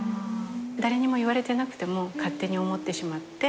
誰にも言われてなくても勝手に思ってしまって。